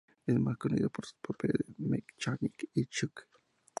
Es más conocida por sus papeles en "The Mechanic" y "Chuck".